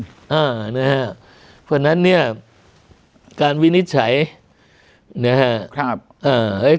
เพราะฉะนั้นเนี่ยการวินิจฉัย